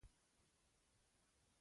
ږغ مې حرام دی مخ مې حرام دی!